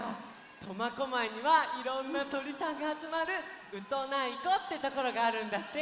苫小牧にはいろんなとりさんがあつまる「ウトナイこ」ってところがあるんだって。